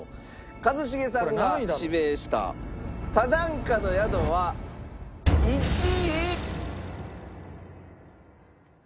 一茂さんが指名した『さざんかの宿』は１位。